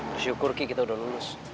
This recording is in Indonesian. terima kasih ki kita udah lulus